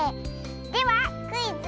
では「クイズ！